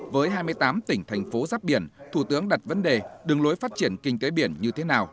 với hai mươi tám tỉnh thành phố giáp biển thủ tướng đặt vấn đề đường lối phát triển kinh tế biển như thế nào